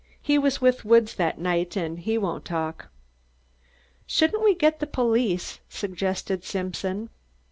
"He was with Woods that night and he won't talk." "Shouldn't we get the police?" suggested Simpson.